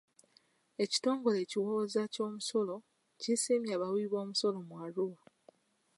Ekitongole ekiwooza ky'omusolo kisiimye abawi b'omusolo mu Arua.